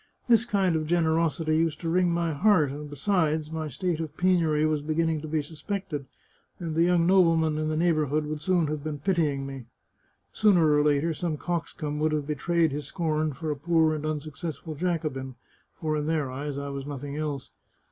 This kind of gen erosity used to wring my heart, and besides, my state of penury was beginning to be suspected, and the young noble men in the neighbourhood would soon have been pitying me. Sooner or later some coxcomb would have betrayed his scorn for a poor and unsuccessful Jacobin, for in their eyes I was nothing else.